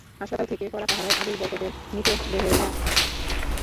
হাসপাতাল থেকে কড়া পাহারায় আবুল বরকতের মৃতদেহ নেওয়া হলো আজিমপুর কবরস্থানে।